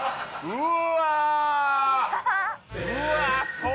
うわ！